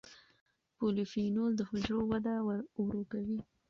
پولیفینول د حجرو وده ورو کوي.